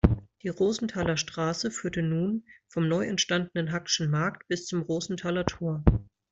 Die Rosenthaler Straße führte nun vom neu entstandenen Hackeschen Markt bis zum Rosenthaler Tor.